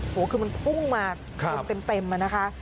โหคือมันพุ่งมาครับเต็มอะนะคะ